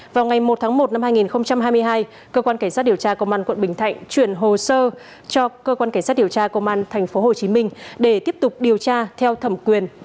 vào ngày một tháng một năm hai nghìn hai mươi hai cơ quan cảnh sát điều tra công an quận bình thạnh chuyển hồ sơ cho cơ quan cảnh sát điều tra công an tp hcm để tiếp tục điều tra theo thẩm quyền